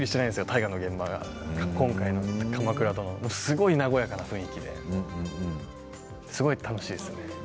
大河の現場、今回の「鎌倉殿」、すごい和やかな雰囲気ですごい楽しいですね。